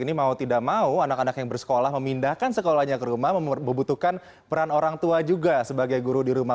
ini mau tidak mau anak anak yang bersekolah memindahkan sekolahnya ke rumah membutuhkan peran orang tua juga sebagai guru di rumah